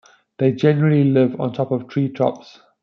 They generally live on treetops.